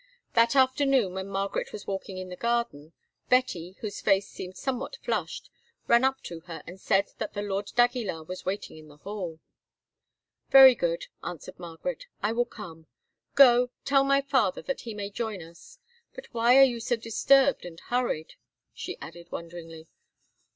That afternoon, when Margaret was walking in the garden, Betty, whose face seemed somewhat flushed, ran up to her and said that the lord d'Aguilar was waiting in the hall. "Very good," answered Margaret, "I will come. Go, tell my father, that he may join us. But why are you so disturbed and hurried?" she added wonderingly.